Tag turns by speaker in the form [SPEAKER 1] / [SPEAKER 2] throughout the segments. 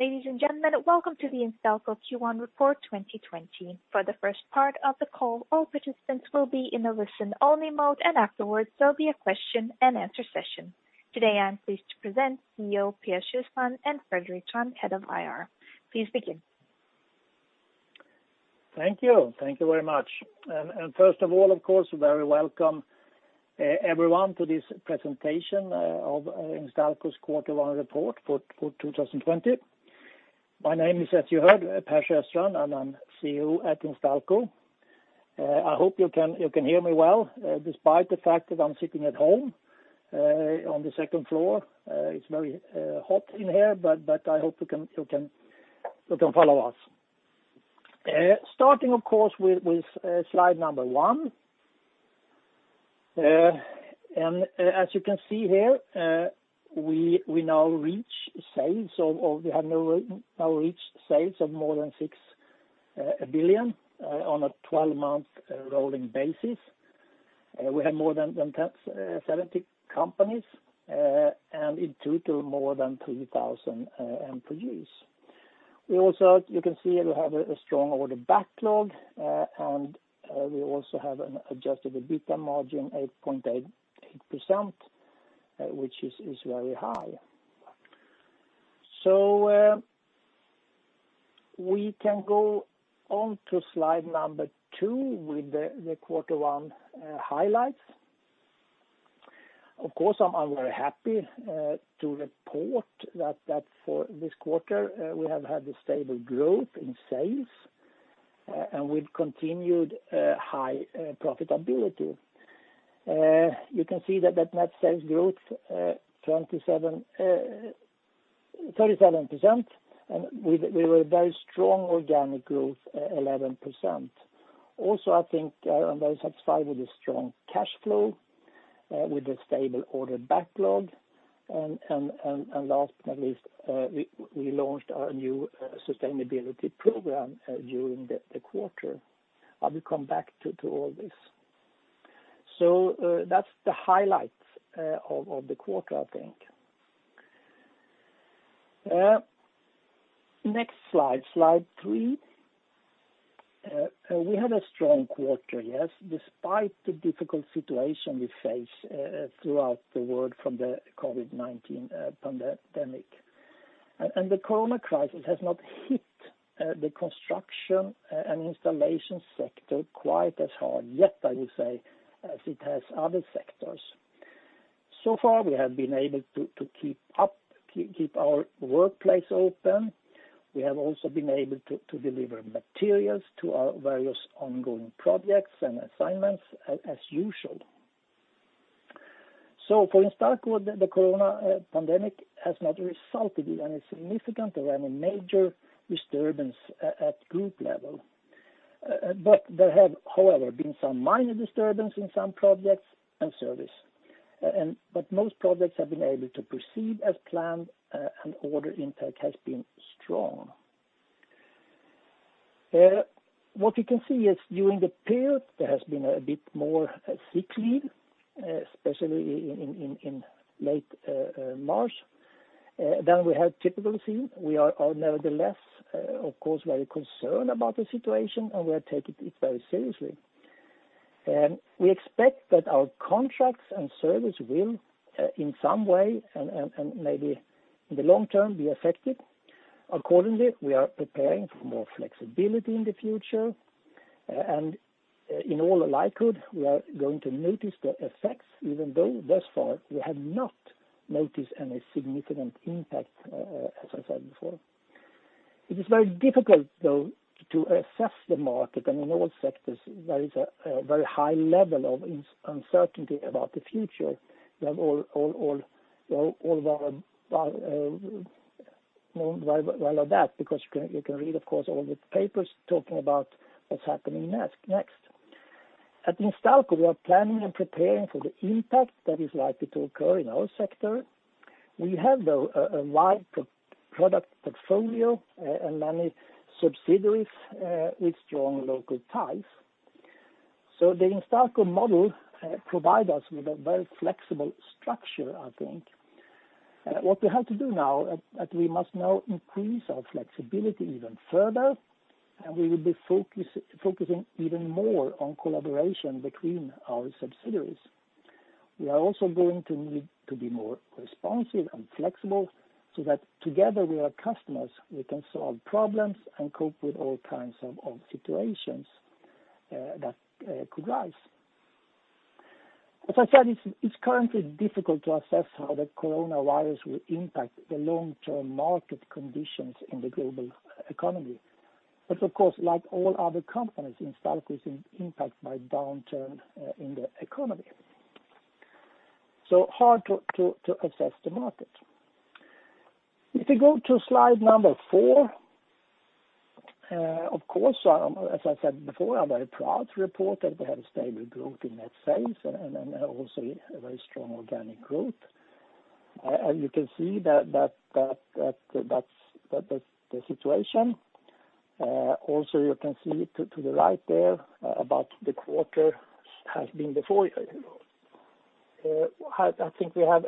[SPEAKER 1] Ladies and gentlemen, welcome to the Instalco Q1 Report 2020. For the first part of the call, all participants will be in a listen-only mode, and afterwards there'll be a question-and-answer session. Today, I'm pleased to present CEO Per Sjöstrand and Fredrik Trahn, Head of IR. Please begin.
[SPEAKER 2] Thank you. Thank you very much. First of all, of course, very welcome, everyone, to this presentation of Instalco's Quarter 1 Report for 2020. My name is, as you heard, Per Sjöstrand, and I'm CEO at Instalco. I hope you can hear me well despite the fact that I'm sitting at home on the second floor. It's very hot in here, but I hope you can follow us. Starting, of course, with slide number one. As you can see here, we have now reached sales of more than 6 billion on a 12-month rolling basis. We have more than 70 companies, and in total more than 3,000 employees. You can see that we have a strong order backlog, and we also have an adjusted EBITDA margin 8.8%, which is very high. We can go on to slide number two with the Quarter 1 highlights. Of course, I'm very happy to report that for this quarter, we have had a stable growth in sales and with continued high profitability. You can see that net sales growth 37% and with a very strong organic growth, 11%. I think I'm very satisfied with the strong cash flow, with the stable order backlog, and last but not least, we launched our new sustainability program during the quarter. I will come back to all this. That's the highlights of the quarter, I think. Next slide three. We had a strong quarter, yes, despite the difficult situation we face throughout the world from the COVID-19 pandemic. The corona crisis has not hit the construction and installation sector quite as hard yet, I would say, as it has other sectors. Far, we have been able to keep our workplace open. We have also been able to deliver materials to our various ongoing projects and assignments as usual. For Instalco, the corona pandemic has not resulted in any significant or any major disturbance at group level. There have, however, been some minor disturbance in some projects and service. Most projects have been able to proceed as planned and order intake has been strong. What you can see is during the period, there has been a bit more sick leave, especially in late March, than we have typically seen. We are nevertheless, of course, very concerned about the situation, and we are taking it very seriously. We expect that our contracts and service will, in some way, and maybe in the long term, be affected. We are preparing for more flexibility in the future. In all likelihood, we are going to notice the effects, even though thus far, we have not noticed any significant impact, as I said before. It is very difficult, though, to assess the market. In all sectors, there is a very high level of uncertainty about the future. We have all of that because you can read, of course, all the papers talking about what's happening next. At Instalco, we are planning and preparing for the impact that is likely to occur in our sector. We have, though, a wide product portfolio and many subsidiaries with strong local ties. The Instalco model provide us with a very flexible structure, I think. What we have to do now, we must now increase our flexibility even further. We will be focusing even more on collaboration between our subsidiaries. We are also going to need to be more responsive and flexible so that together with our customers, we can solve problems and cope with all kinds of situations that could rise. As I said, it is currently difficult to assess how the coronavirus will impact the long-term market conditions in the global economy. Of course, like all other companies, Instalco is impacted by downturn in the economy. Hard to assess the market. If you go to slide number four, of course, as I said before, I am very proud to report that we have a stable growth in net sales and also a very strong organic growth. You can see that that's the situation. Also, you can see to the right there about the quarter has been before. I think we have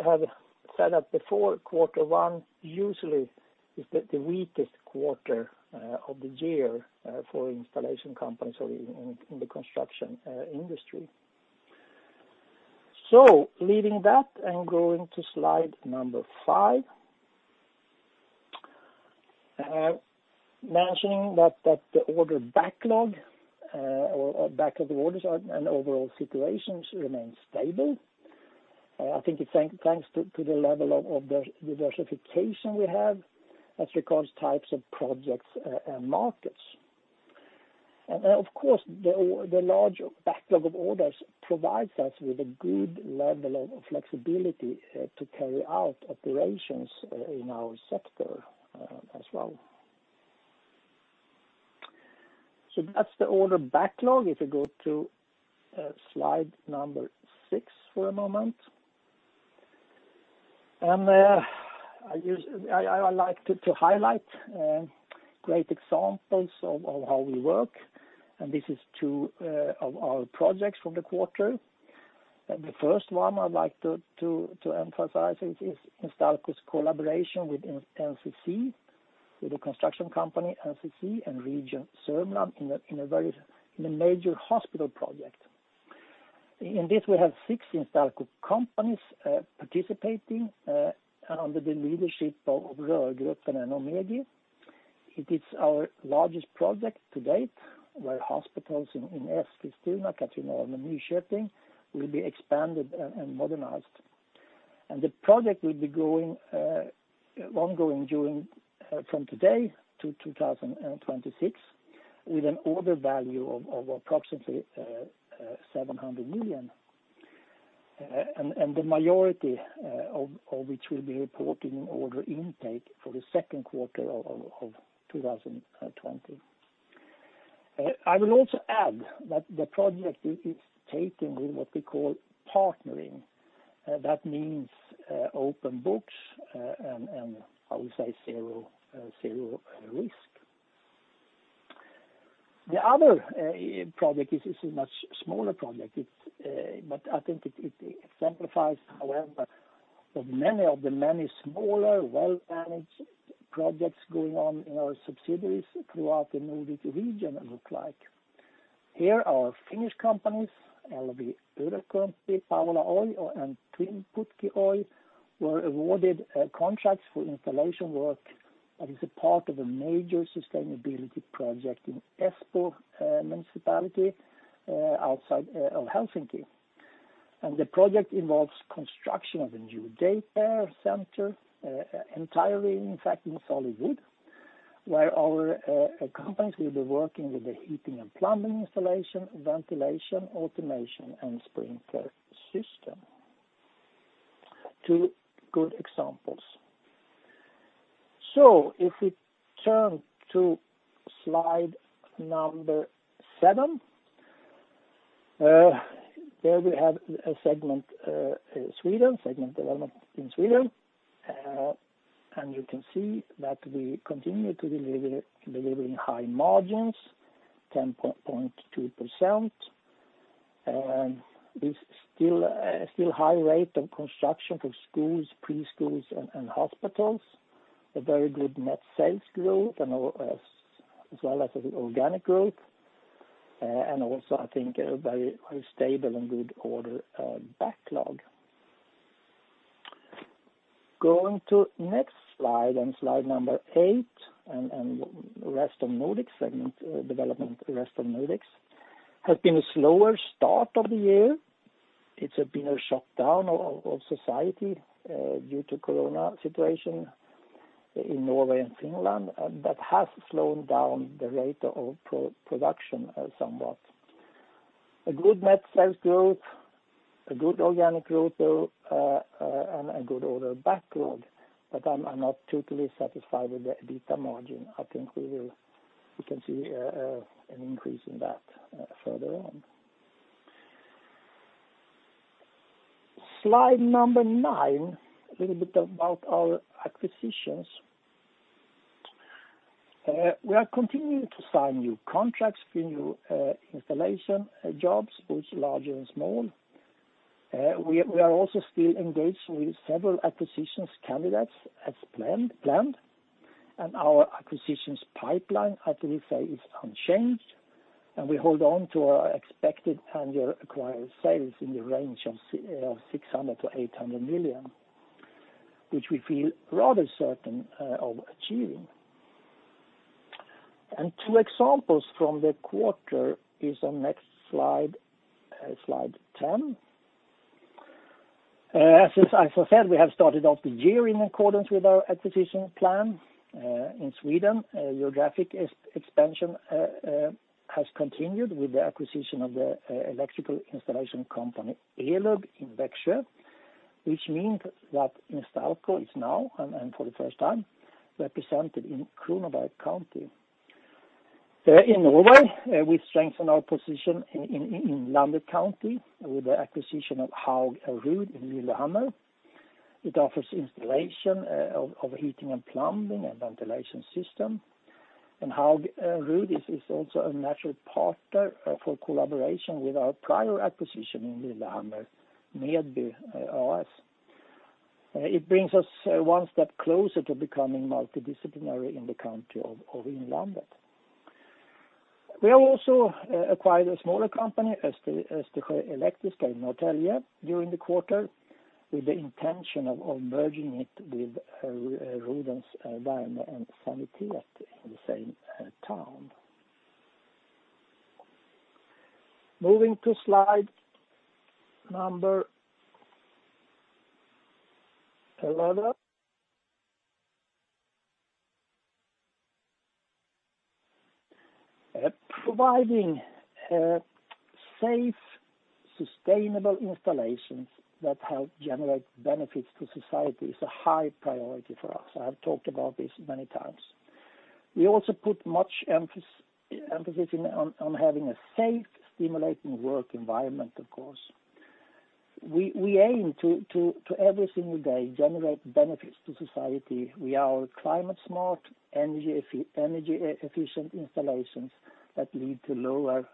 [SPEAKER 2] said that before quarter one usually is the weakest quarter of the year for installation companies or in the construction industry. Leaving that and going to slide number five. Mentioning that the order backlog or backlog of orders and overall situations remain stable. I think it's thanks to the level of diversification we have as regards types of projects and markets. Of course, the large backlog of orders provides us with a good level of flexibility to carry out operations in our sector as well. That's the order backlog. If you go to slide number six for a moment. There, I like to highlight great examples of how we work, and this is two of our projects from the quarter. The first one I'd like to emphasize is Instalco's collaboration with NCC, with the construction company NCC and Region Sörmland in a major hospital project. In this, we have six Instalco companies participating under the leadership of Rörgruppen and Ohmegi. It is our largest project to date, where hospitals in Eskilstuna, Katrineholm, and Nyköping will be expanded and modernized. The project will be ongoing from today to 2026, with an order value of approximately 700 million, and the majority of which will be reported in order intake for the second quarter of 2020. I will also add that the project is taken with what we call partnering. That means open books and, I would say, zero risk. The other project is a much smaller project, but I think it exemplifies, however, many of the smaller, well-managed projects going on in our subsidiaries throughout the Nordic region look like. Here, our Finnish companies, LVI-Urakointi, Paavola Oy, and Twinputki Oy, were awarded contracts for installation work that is a part of a major sustainability project in Espoo Municipality outside of Helsinki. The project involves construction of a new daycare center, entirely, in fact, in solid wood, where our companies will be working with the heating and plumbing installation, ventilation, automation, and sprinkler system. Two good examples. If we turn to slide number seven, there we have a segment development in Sweden. You can see that we continue to be delivering high margins, 10.2%, and is still a high rate of construction for schools, preschools, and hospitals, a very good net sales growth as well as organic growth, and also, I think, a very stable and good order backlog. Going to next slide, and slide number eight, and Rest of Nordics segment development. Rest of Nordics has been a slower start of the year. It's been a shutdown of society due to COVID-19 situation in Norway and Finland, and that has slowed down the rate of production somewhat. A good net sales growth, a good organic growth, and a good order backlog, I'm not totally satisfied with the EBITDA margin. I think we can see an increase in that further on. Slide number nine, a little bit about our acquisitions. We are continuing to sign new contracts, new installation jobs, both larger and small. We are also still engaged with several acquisitions candidates as planned, and our acquisitions pipeline, how do we say, is unchanged, and we hold on to our expected annual acquired sales in the range of 600 million-800 million, which we feel rather certain of achieving. Two examples from the quarter is on next slide 10. As I said, we have started off the year in accordance with our acquisition plan. In Sweden, geographic expansion has continued with the acquisition of the electrical installation company ELUB in Växjö, which means that Instalco is now, and for the first time, represented in Kronoberg County. In Norway, we strengthen our position in Innlandet County with the acquisition of Haug og Ruud in Lillehammer. It offers installation of heating and plumbing and ventilation system. Haug og Ruud is also a natural partner for collaboration with our prior acquisition in Innlandet Medby AS. It brings us one step closer to becoming multidisciplinary in the county of Innlandet. We have also acquired a smaller company, Östersjö Elektriska in Norrtälje during the quarter, with the intention of merging it with Rodens Värme & Sanitet in the same town. Moving to slide number 11. Providing safe, sustainable installations that help generate benefits to society is a high priority for us. I have talked about this many times. We also put much emphasis on having a safe, stimulating work environment, of course. We aim to, every single day, generate benefits to society with our climate smart, energy efficient installations that lead to lower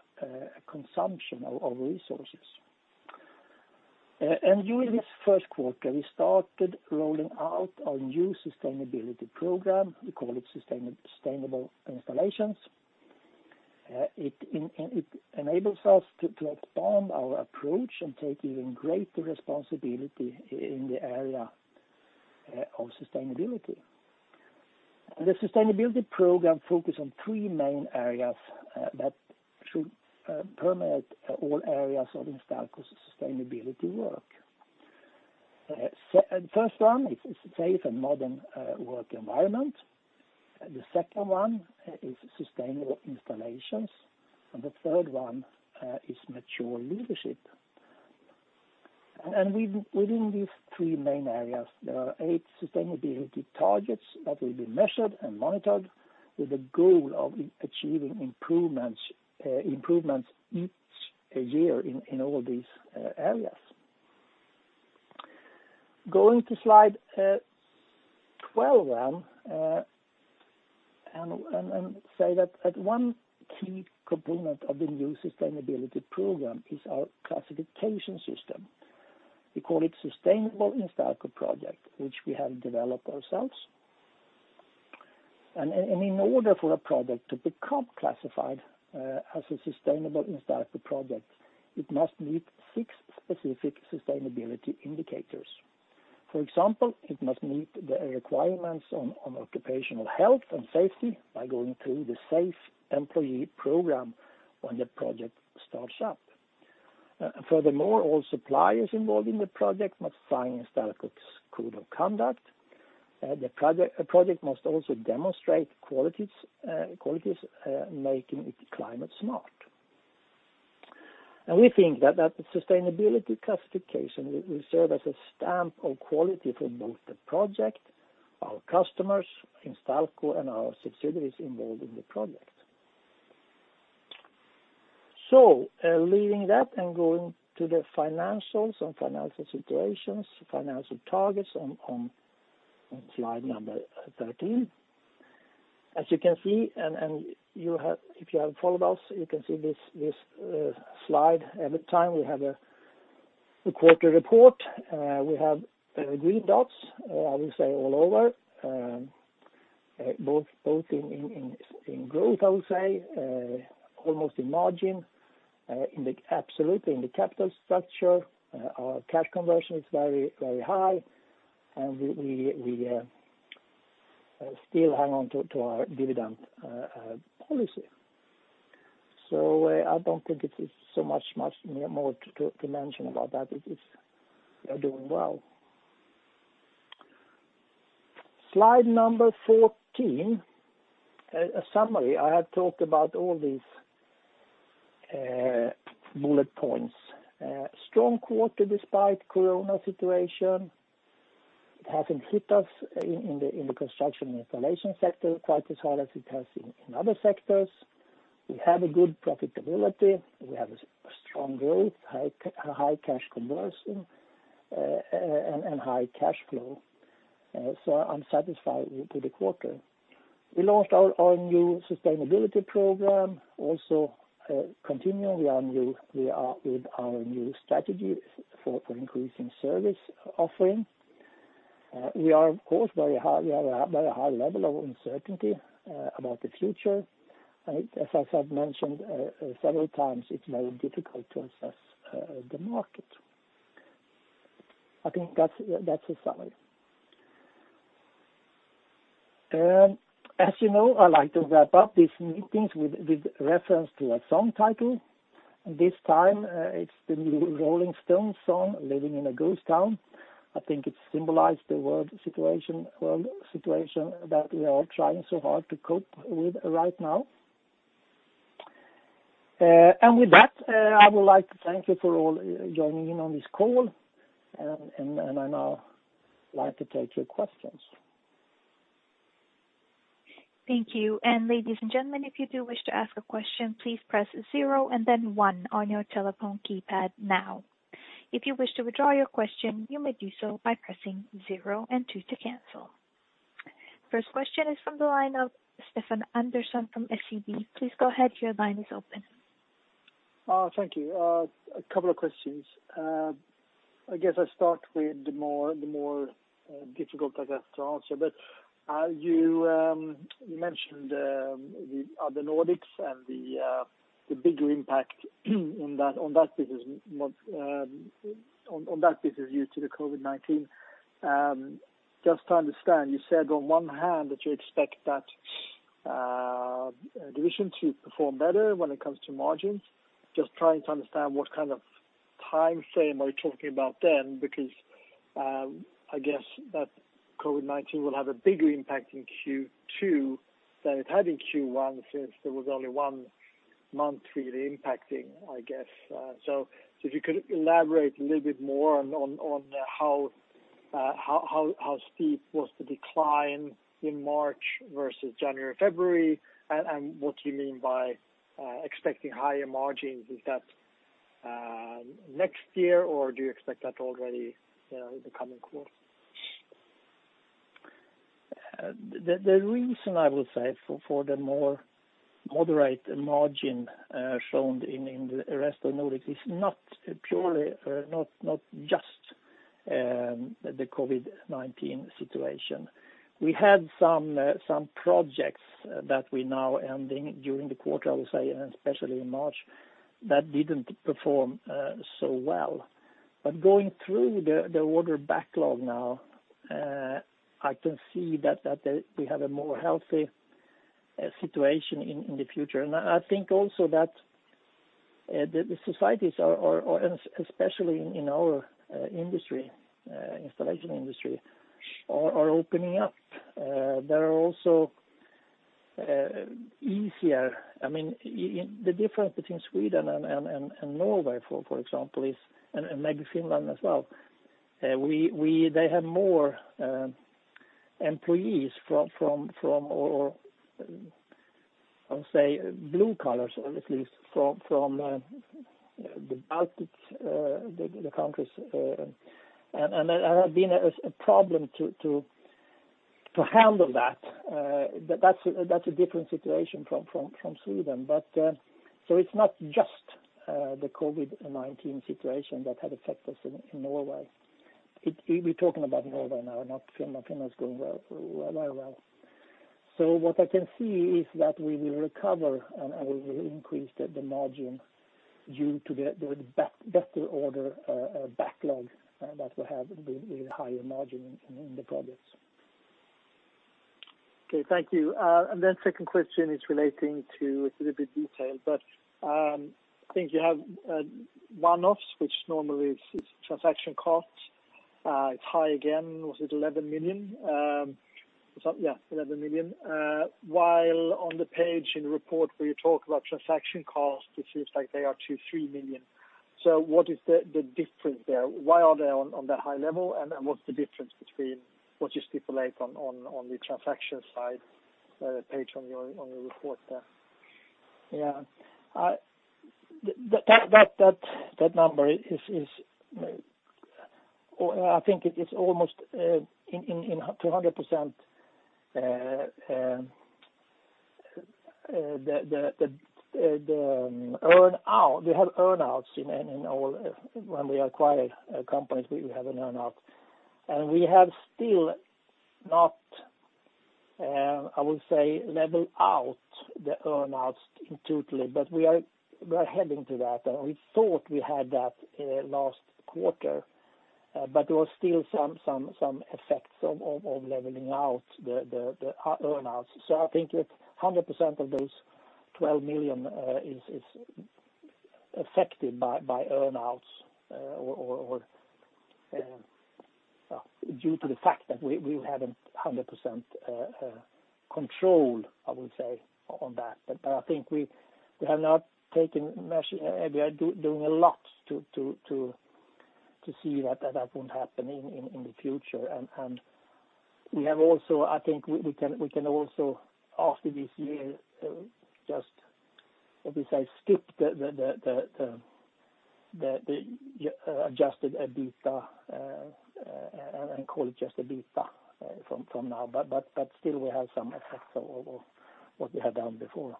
[SPEAKER 2] consumption of resources. During this first quarter, we started rolling out our new sustainability program. We call it Sustainable Installations. It enables us to expand our approach and take even greater responsibility in the area of sustainability. The sustainability program focus on three main areas that should permeate all areas of Instalco's sustainability work. First one is safe and modern work environment. The second one is sustainable installations, and the third one is mature leadership. Within these three main areas, there are eight sustainability targets that will be measured and monitored with the goal of achieving improvements each year in all these areas. Going to slide 12. Say that one key component of the new sustainability program is our classification system. We call it Sustainable Instalco Project, which we have developed ourselves. In order for a project to become classified as a Sustainable Instalco Project, it must meet six specific sustainability indicators. For example, it must meet the requirements on occupational health and safety by going through the safe employee program when the project starts up. Furthermore, all suppliers involved in the project must sign Instalco's code of conduct. The project must also demonstrate qualities making it climate smart. We think that the sustainability classification will serve as a stamp of quality for both the project, our customers, Instalco, and our subsidiaries involved in the project. Leaving that and going to the financials and financial situations, financial targets on slide number 13. As you can see, and if you have followed us, you can see this slide every time we have a quarter report. We have green dots, I will say all over, both in growth I would say, almost in margin, absolutely in the capital structure. Our cash conversion is very high, and we still hang on to our dividend policy. I don't think it is so much more to mention about that. We are doing well. Slide number 14, a summary. I have talked about all these bullet points. Strong quarter despite Corona situation. It hasn't hit us in the construction and installation sector quite as hard as it has in other sectors. We have a good profitability. We have a strong growth, high cash conversion, and high cash flow. I'm satisfied with the quarter. We launched our new sustainability program. Also continuing with our new strategy for increasing service offering. We have a very high level of uncertainty about the future. As I've mentioned several times, it's very difficult to assess the market. I think that's a summary. As you know, I like to wrap up these meetings with reference to a song title. This time, it's the new Rolling Stones song, "Living in a Ghost Town." I think it symbolizes the world situation that we are all trying so hard to cope with right now. With that, I would like to thank you for all joining in on this call, and I now like to take your questions.
[SPEAKER 1] Thank you. Ladies and gentlemen, if you do wish to ask a question, please press zero and then one on your telephone keypad now. If you wish to withdraw your question, you may do so by pressing zero and two to cancel. First question is from the line of Stefan Andersson from SEB. Please go ahead. Your line is open.
[SPEAKER 3] Thank you. A couple of questions. I guess I'll start with the more difficult, I guess, to answer, but you mentioned the other Nordics and the bigger impact on that business due to the COVID-19. Just to understand, you said on one hand that you expect that division to perform better when it comes to margins. Just trying to understand what kind of time frame are you talking about then, because I guess that COVID-19 will have a bigger impact in Q2 than it had in Q1, since there was only one month really impacting, I guess. If you could elaborate a little bit more on how steep was the decline in March versus January, February, and what you mean by expecting higher margins. Is that next year, or do you expect that already in the coming quarter?
[SPEAKER 2] The reason I would say for the more moderate margin shown in the Rest of Nordics is not just the COVID-19 situation. We had some projects that we now ending during the quarter, I would say, and especially in March, that didn't perform so well. Going through the order backlog now, I can see that we have a more healthy situation in the future. I think also that the societies, especially in our industry, installation industry, are opening up. They're also easier. The difference between Sweden and Norway, for example, and maybe Finland as well, they have more employees or I would say blue collars, at least from the Baltic, the countries, and have been a problem to handle that. That's a different situation from Sweden. It's not just the COVID-19 situation that had affected us in Norway. We're talking about Norway now, not Finland. Finland is going very well. What I can see is that we will recover and we will increase the margin due to the better order backlog that will have the higher margin in the projects.
[SPEAKER 3] Okay. Thank you. second question is relating to a little bit detail, but I think you have one-offs, which normally is transaction costs. It's high again. Was it 11 million? Yeah, 11 million. While on the page in the report where you talk about transaction costs, it seems like they are 2 million-3 million. What is the difference there? Why are they on that high level, and what's the difference between what you stipulate on the transaction side page on your report there?
[SPEAKER 2] Yeah. That number, I think it is almost 200% the earn-out. We have earn-outs in all. When we acquire companies, we have an earn-out. We have still not, I would say, leveled out the earn-outs totally, but we are heading to that. We thought we had that last quarter, but there was still some effects of leveling out the earn-outs. I think that 100% of those 12 million is affected by earn-outs or due to the fact that we haven't 100% control, I would say, on that. I think we are doing a lot to see that that won't happen in the future. I think we can also, after this year, just, how do you say, skip the adjusted EBITDA and call it just EBITDA from now. Still we have some effects of what we have done before.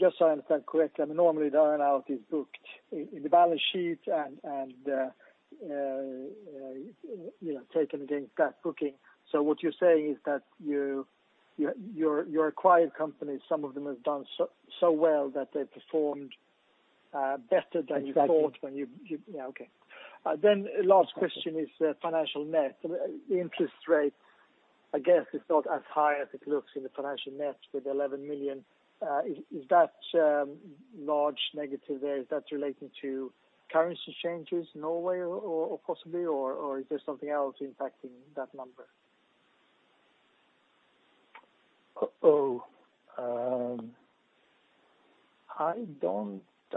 [SPEAKER 3] Just so I understand correctly, normally the earn out is booked in the balance sheet and taken against that booking. What you're saying is that your acquired companies, some of them have done so well that they performed better than you thought when you.
[SPEAKER 2] Exactly.
[SPEAKER 3] Yeah. Okay. Last question is financial net. The interest rate, I guess, is not as high as it looks in the financial net with 11 million. Is that large negative there, is that relating to currency changes, Norway, or possibly, or is there something else impacting that number?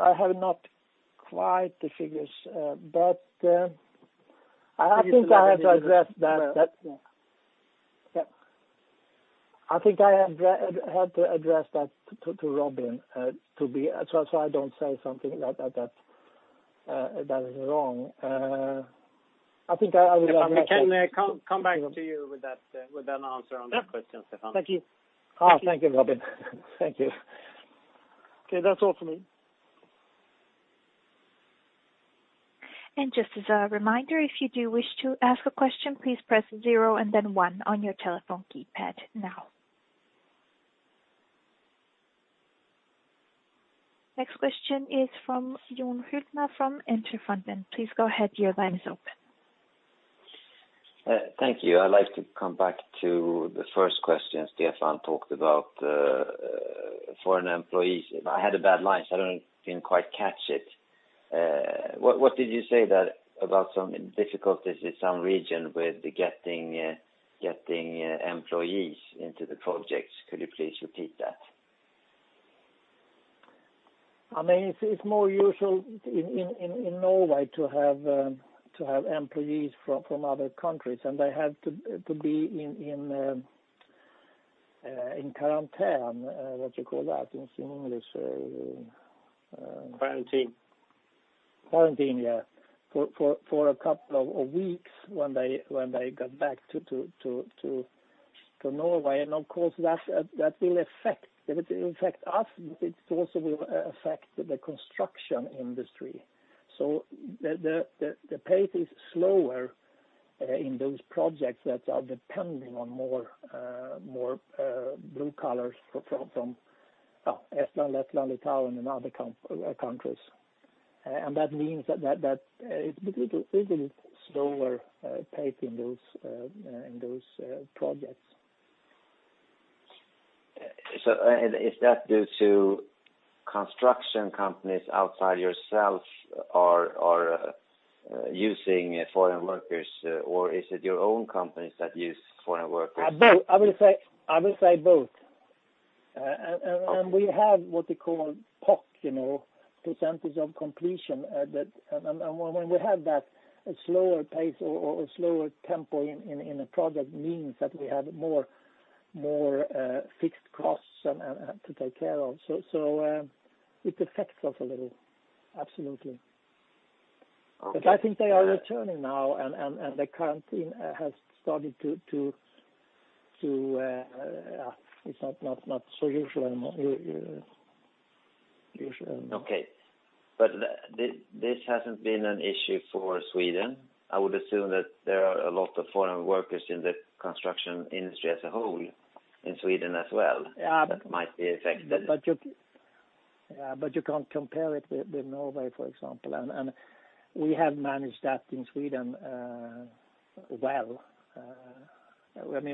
[SPEAKER 2] I have not quite the figures, but I think I have to address that to Robin, so I don't say something that is wrong.
[SPEAKER 4] We can come back to you with an answer on that question, Stefan.
[SPEAKER 3] Thank you.
[SPEAKER 2] Thank you, Robin. Thank you.
[SPEAKER 3] Okay, that's all for me.
[SPEAKER 1] Just as a reminder, if you do wish to ask a question, please press zero and then one on your telephone keypad now. Next question is from Jon Hildur from Industrifonden. Please go ahead. Your line is open.
[SPEAKER 5] Thank you. I'd like to come back to the first question Stefan talked about foreign employees. I had a bad line, I didn't quite catch it. What did you say about some difficulties in some region with getting employees into the projects? Could you please repeat that?
[SPEAKER 2] It's more usual in Norway to have employees from other countries, and they have to be in quarantine, what you call that in English?
[SPEAKER 5] Quarantine.
[SPEAKER 2] Quarantine, yeah, for a couple of weeks when they got back to Norway. Of course, if it affects us, it also will affect the construction industry. The pace is slower in those projects that are depending on more blue collars from Estonia, Lithuania, and other countries. That means that it's a little slower pace in those projects.
[SPEAKER 5] Is that due to construction companies outside yourself are using foreign workers, or is it your own companies that use foreign workers?
[SPEAKER 2] I will say both. We have what we call POC, percentage of completion. When we have that, a slower pace or a slower tempo in a project means that we have more fixed costs to take care of. It affects us a little. Absolutely. I think they are returning now and the quarantine has started to It's not so usual anymore.
[SPEAKER 5] Okay. This hasn't been an issue for Sweden? I would assume that there are a lot of foreign workers in the construction industry as a whole in Sweden as well that might be affected.
[SPEAKER 2] You can't compare it with Norway, for example. We have managed that in Sweden well.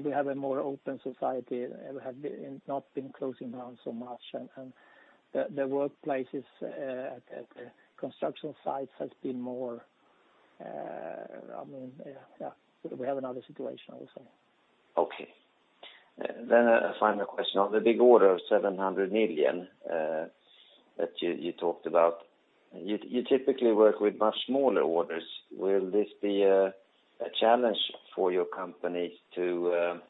[SPEAKER 2] We have a more open society, and we have not been closing down so much, and the workplaces at construction sites. We have another situation, I would say.
[SPEAKER 5] Okay. A final question on the big order of 700 million that you talked about. You typically work with much smaller orders. Will this be a challenge for your company to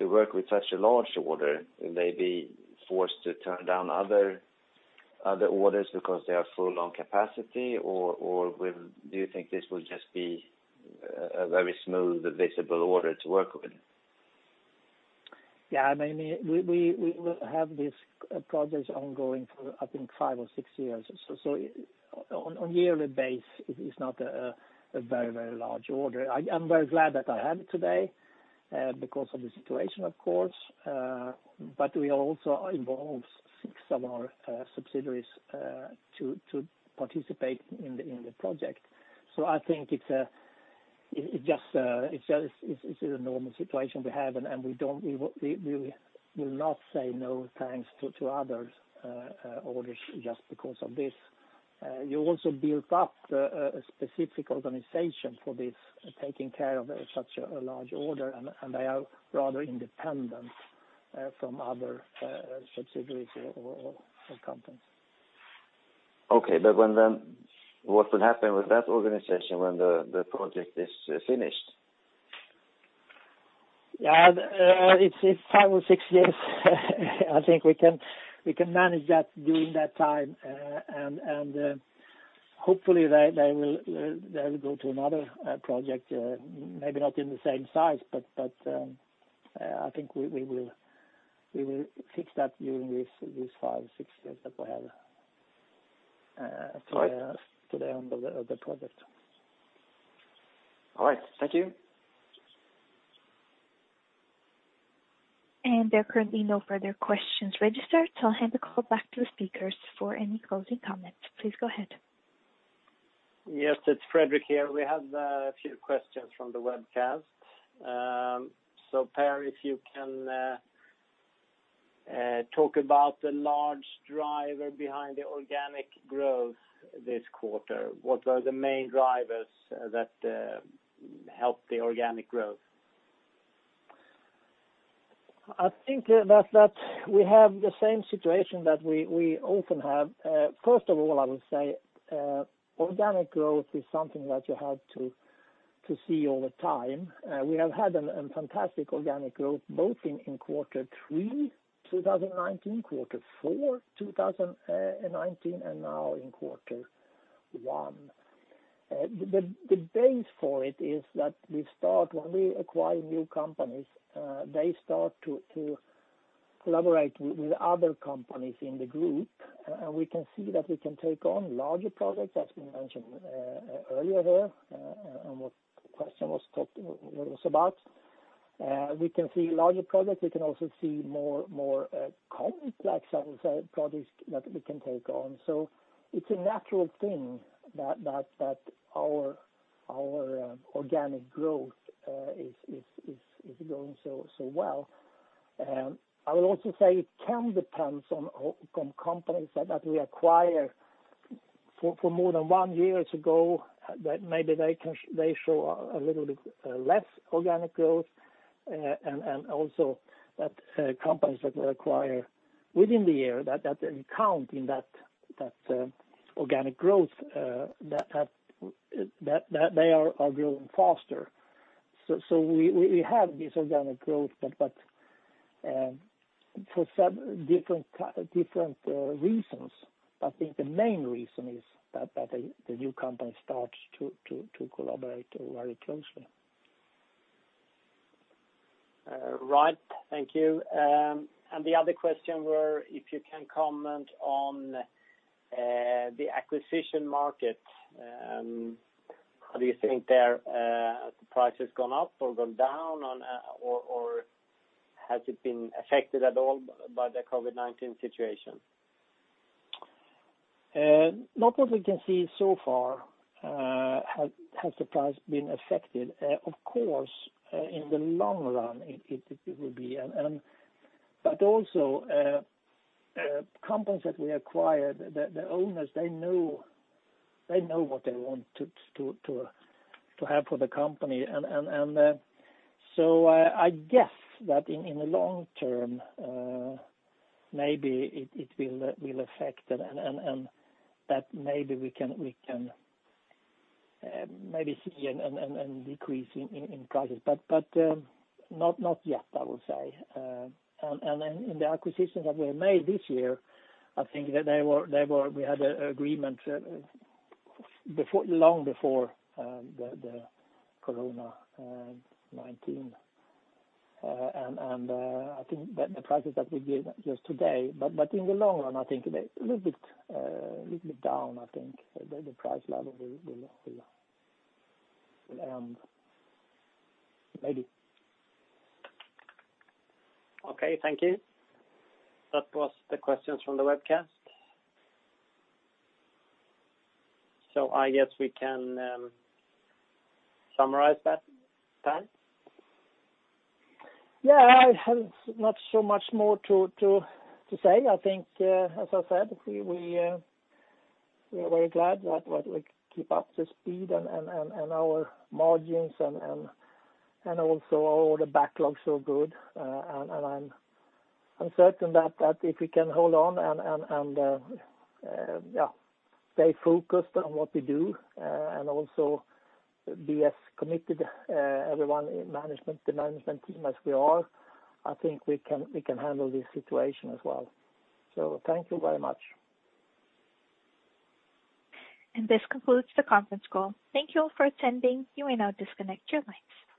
[SPEAKER 5] work with such a large order? Will they be forced to turn down other orders because they are full on capacity? Do you think this will just be a very smooth, visible order to work with?
[SPEAKER 2] Yeah, we will have these projects ongoing for I think five or six years. On a yearly base, it is not a very large order. I'm very glad that I have it today because of the situation, of course, but we also involved six of our subsidiaries to participate in the project. I think it's a normal situation we have, and we will not say no thanks to other orders just because of this. You also built up a specific organization for this, taking care of such a large order, and they are rather independent from other subsidiaries or companies.
[SPEAKER 5] Okay. What will happen with that organization when the project is finished?
[SPEAKER 2] It's five or six years. I think we can manage that during that time. Hopefully they will go to another project, maybe not in the same size, but I think we will fix that during these five, six years that we have to the end of the project.
[SPEAKER 5] All right. Thank you.
[SPEAKER 1] There are currently no further questions registered, so I'll hand the call back to the speakers for any closing comments. Please go ahead.
[SPEAKER 6] Yes, it's Fredrik here. We have a few questions from the webcast. Per, if you can talk about the large driver behind the organic growth this quarter. What were the main drivers that helped the organic growth?
[SPEAKER 2] I think that we have the same situation that we often have. First of all, I would say organic growth is something that you have to see all the time. We have had a fantastic organic growth, both in quarter three 2019, quarter four 2019, and now in quarter one. The base for it is that when we acquire new companies, they start to collaborate with other companies in the group. We can see that we can take on larger projects as we mentioned earlier there, and what the question was about. We can see larger projects. We can also see more complex projects that we can take on. It's a natural thing that our organic growth is going so well. I would also say it can depend on companies that we acquire for more than one year ago, that maybe they show a little bit less organic growth, and also that companies that we acquire within the year, that they count in that organic growth that they are growing faster. We have this organic growth, but for some different reasons. I think the main reason is that the new company starts to collaborate very closely.
[SPEAKER 6] Right. Thank you. The other question were, if you can comment on the acquisition market. How do you think there? Have the prices gone up or gone down, or has it been affected at all by the COVID-19 situation?
[SPEAKER 2] Not what we can see so far has the price been affected. Of course, in the long run, it will be. Companies that we acquired, the owners, they know what they want to have for the company. I guess that in the long term, maybe it will affect and that maybe we can see a decrease in prices. Not yet, I will say. In the acquisitions that we have made this year, I think that we had agreement long before the COVID-19. I think that the prices that we give just today, but in the long run, I think a little bit down, the price level will end. Maybe.
[SPEAKER 6] Okay, thank you. That was the questions from the webcast. I guess we can summarize that, Per.
[SPEAKER 2] Yeah. I have not so much more to say. I think as I said, we are very glad that we keep up the speed and our margins, and also all the backlogs are good. I'm certain that if we can hold on and stay focused on what we do, and also be as committed, everyone in the management team as we are, I think we can handle this situation as well. Thank you very much.
[SPEAKER 1] This concludes the conference call. Thank you all for attending. You may now disconnect your lines.